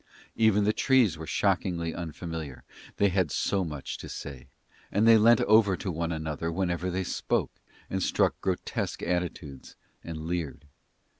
Even the trees were shockingly unfamiliar, they had so much to say, and they leant over to one another whenever they spoke and struck grotesque attitudes and leered.